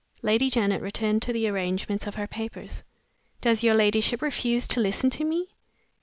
Lady Janet returned to the arrangement of her papers. "Does your ladyship refuse to listen to me?"